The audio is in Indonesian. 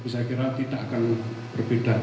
saya kira tidak akan berbeda